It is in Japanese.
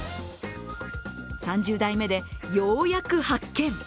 ３０台目でようやく発見。